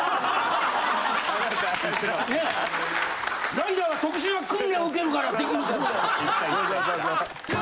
「ライダーは特殊な訓練を受けるから出来る」。